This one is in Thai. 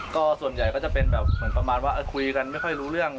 ก็ส่วนใหญ่ก็จะเป็นแบบเหมือนประมาณว่าคุยกันไม่ค่อยรู้เรื่อง